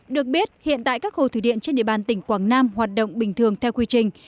được biết hiện tại các hồ thủy điện trên địa bàn tỉnh quảng nam hoạt động bình thường theo quy trình